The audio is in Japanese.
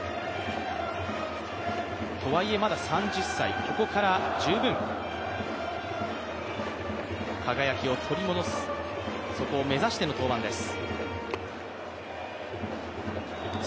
とはいえまだ３０歳、ここからまだ十分輝きを取り戻すそこを目指しての登板です。